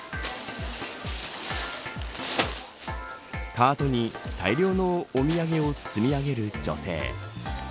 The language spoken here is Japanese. カートに大量のお土産を積み上げる女性。